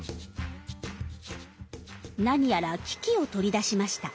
何やら機器を取り出しました。